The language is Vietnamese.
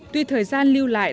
tuy thời gian lưu lại